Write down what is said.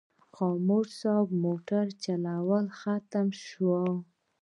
خاموش صاحب موټر چلونه ختمه شوه.